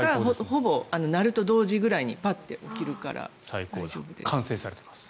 ほぼ鳴ると同時ぐらいにパッと起きるから大丈夫です。